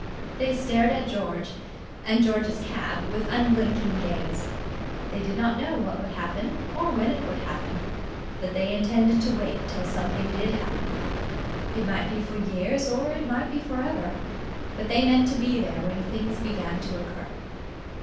They stared at George and George's cab with unblinking gaze. They did not know what would happen or when it would happen, but they intended to wait till something did happen. It might be for years or it might be for ever, but they meant to be there when things began to occur.